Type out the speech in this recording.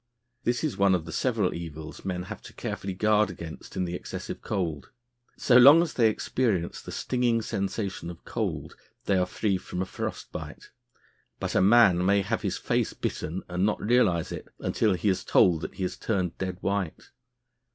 This is one of the several evils men have to carefully guard against in the excessive cold. So long as they experience the stinging sensation of cold, they are free from a frost bite; but a man may have his face bitten and not realise it until he is told that he has turned dead white.